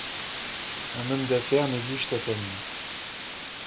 Un homme d'affaires néglige sa famille.